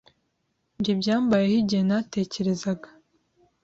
Nge byambayeho igihe natekerezaga